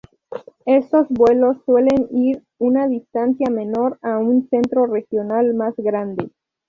Estos vuelos suelen ir una distancia menor o a un centro regional más grande.